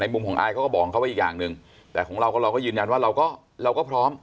ในมุมของอายเขาก็บอกเขาว่าอีกอย่างนึงแต่ของเราก็ยืนยันว่าเราก็พร้อม